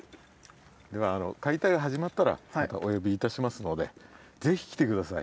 では解体が始まったらまたお呼びいたしますので是非来て下さい。